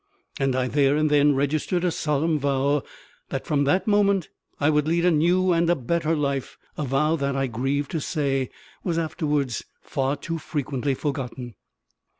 And I there and then registered a solemn vow that from that moment I would lead a new and a better life; a vow that, I grieve to say, was afterwards far too frequently forgotten.